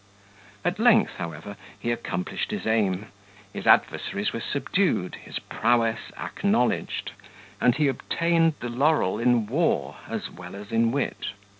At length, however, he accomplished his aim; his adversaries were subdued, his prowess acknowledged, and he obtained the laurel in war as well as in wit.